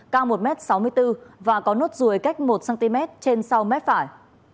cao một m sáu mươi bốn và có nốt ruồi cách một cm trên sau bài bày phải